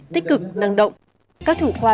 tích cực năng động các thủ khoa